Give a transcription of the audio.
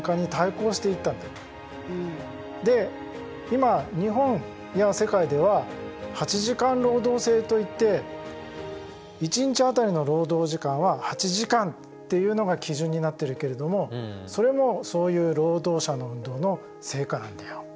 で今日本や世界では８時間労働制といって一日当たりの労働時間は８時間っていうのが基準になっているけどもそれもそういう労働者の運動の成果なんだよ。